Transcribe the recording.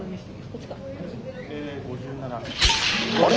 あれ？